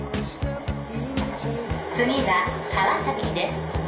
次は川崎です。